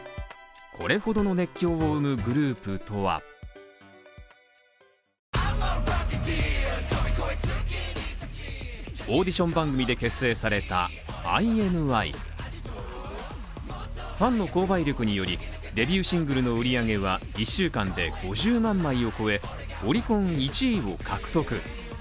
これほどの熱狂を生むグループとは、オーディション番組で結成されたＩＮＩファンの購買力によりデビューシングルの売り上げは１週間で５０万枚を超え、オリコン１位を獲得。